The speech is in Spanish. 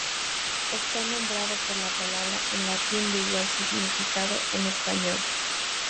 Está nombrado por la palabra en latín de igual significado en español.